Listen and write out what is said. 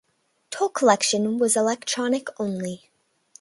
Toll collection was electronic only.